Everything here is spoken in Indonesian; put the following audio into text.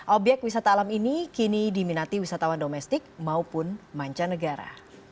obyek wisata alam ini kini diminati wisatawan domestik maupun mancanegara